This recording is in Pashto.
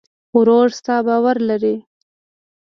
ورور ستا باور لري.